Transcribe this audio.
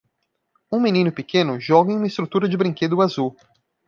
Um menino pequeno joga em uma estrutura de brinquedo azul